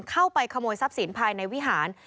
เข้าไปขโมยทรัพย์สินภายในวิหาร